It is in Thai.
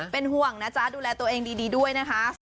เป็นห่วงนะจ๊ะดูแลตัวเองดีด้วยนะคะ